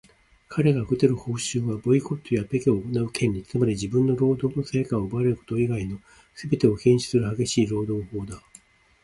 かれが受け取る報酬は、ボイコットやピケを行う権利、つまり自分の労働の成果を奪われること以外のすべてを禁止する厳しい労働法だ。